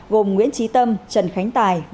gồm nguyễn trí tâm trần khánh trần thị trúc quy